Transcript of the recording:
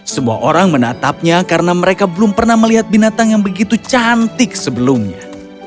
semua orang menatapnya karena mereka belum pernah melihat binatang yang begitu cantik sebelumnya